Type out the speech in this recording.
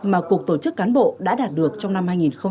mà cục tổ chức cán bộ đã đạt được trong năm hai nghìn hai mươi một